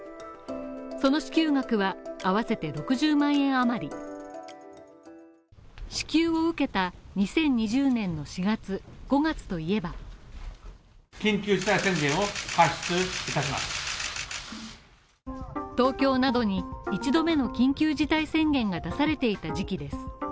その支給額は合わせて６０万円余り支給を受けた２０２０年の４月、５月と言えば東京などに一度目の緊急事態宣言が出されていた時期です。